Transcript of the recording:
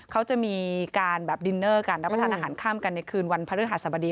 เขาจะมีการแบบดินเนอร์กันรับประทานอาหารข้ามกันในคืนวันพระฤหัสบดี